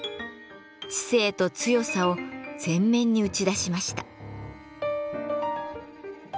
知性と強さを前面に打ち出しました。